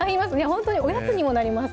ほんとにおやつにもなります